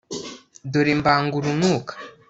dore mbanga urunuka